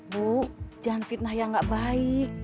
bu jangan fitnah yang gak baik